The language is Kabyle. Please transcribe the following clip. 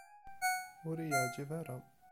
Ur iyi-yeɛjib ara.